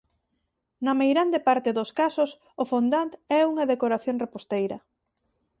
Na meirande parte dos casos o fondant é unha decoración reposteira.